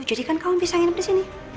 jadi kan kamu bisa nginep di sini